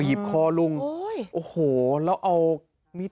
บีบคอลุงโอ้โหแล้วเอา